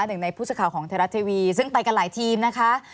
หนึ่งในผู้สื่อข่าวของไทยรัฐทีวีซึ่งไปกันหลายทีมนะคะ